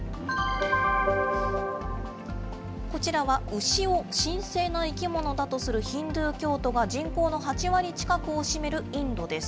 こちらは牛を神聖な生き物だとするヒンドゥー教徒が、人口の８割近くを占めるインドです。